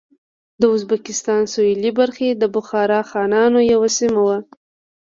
د ازبکستان سوېلې برخې د بخارا خانانو یوه سیمه وه.